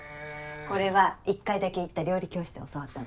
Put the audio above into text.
これは１回だけ行った料理教室で教わったの。